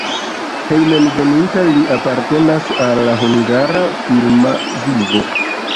Hejmenveninta li apartenas al la hungara filma vivo.